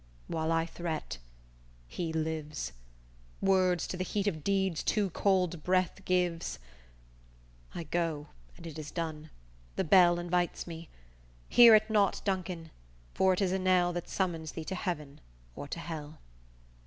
While I threat, he lives, Words to the heat of deeds too cold breath gives; I go and it is done; the bell invites me. Hear it not, Duncan; for it is a knell That summons thee to heaven or to hell!"